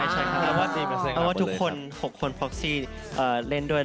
ใช่กลายแบบว่าเพราะว่าทุกคน๖คนพรอกซี่อ่าเล่นด้วย